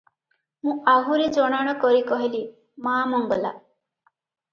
ମୁଁ ଆହୁରି ଜଣାଣ କରି କହିଲି, 'ମା ମଙ୍ଗଳା!